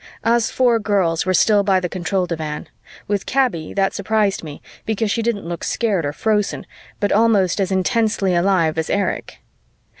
Us four girls were still by the control divan. With Kaby, that surprised me, because she didn't look scared or frozen, but almost as intensely alive as Erich.